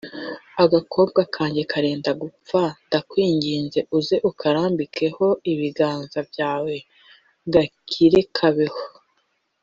“agakobwa kanjye karenda gupfa, ndakwinginze uze ukarambikeho ibiganza byawe, gakire kabeho”